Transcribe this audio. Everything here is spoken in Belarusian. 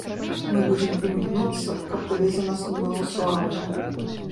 Мы будзем імкнуцца, каб табе за нас не было сорамна.